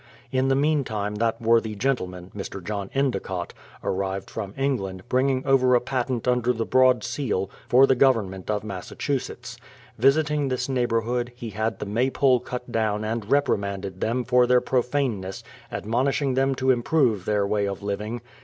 In the meantime that worthy gentleman, Mr. John Endicott, arrived from England, bringing over a patent under the broad seal, for the government of Massa chusetts. Visiting this neighbourhood, he had the May pole cut down, and reprimanded them for their profaneness, admonishing them to improve their way of living.